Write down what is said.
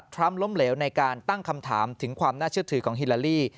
ล้มเหลวในการตั้งคำถามถึงความน่าเชื่อถือของฮิลาลี